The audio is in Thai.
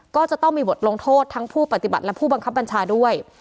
ก็จะต้องมีบทลงโทษทั้งผู้ปฏิบัติและผู้บังคับบัญชาด้วย